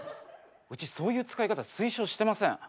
うちそういう使い方推奨してません。